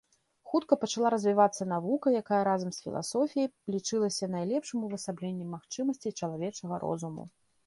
Хутка пачала развівацца навука, якая разам з філасофіяй лічылася найлепшым увасабленнем магчымасцей чалавечага розуму.